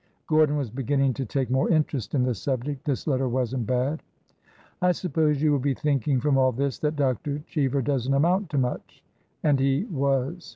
[Gordon was beginning to take more interest in the subject. This letter wasn't bad.] I suppose you will be thinking from all this that Dr. Cheever does n't amount to much. [And he was.